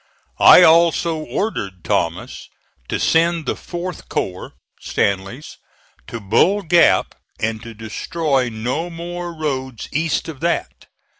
I also ordered Thomas to send the 4th corps (Stanley's) to Bull Gap and to destroy no more roads east of that.